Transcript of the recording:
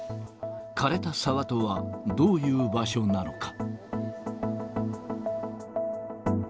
かれた沢とは、どういう場所なのか。